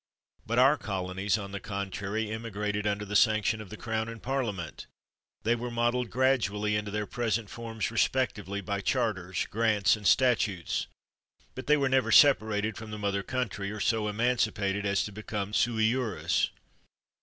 But our colonies, on the contrary, emigrated under the sanction of the Crown and Parliament. They were modeled gradually into their present forms, respectively, by charters, grants, and stat utes; but they were never separated from the mother country or so emancipated as to become sui juris.